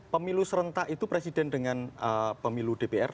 pemilu serentak itu presiden dengan pemilu dpr